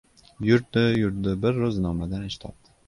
Yurdi-yurdi, bir ro‘znomadan ish topdi.